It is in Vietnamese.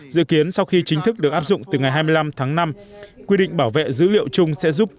dự kiến sau khi chính thức được áp dụng từ ngày hai mươi năm tháng năm quy định bảo vệ dữ liệu chung sẽ giúp